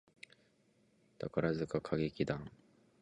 宝塚歌劇団